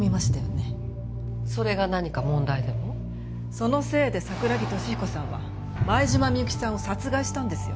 そのせいで桜木敏彦さんは前島美雪さんを殺害したんですよ。